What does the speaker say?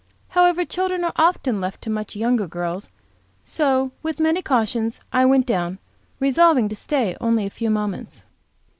However, children are often left to much younger girls, so, with many cautions, I went down, resolving to stay only a few moments.